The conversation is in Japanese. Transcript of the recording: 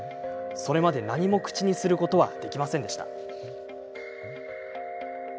それまで何も口にすることはできませんでした。